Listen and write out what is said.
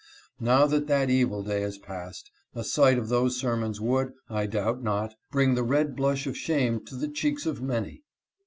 Now that that evil day is past, a sight of those sermons would, I doubt not, bring the red blush of shame to the cheeks of many.